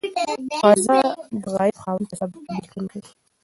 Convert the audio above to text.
قضا د غائب خاوند په سبب بيلتون کوي.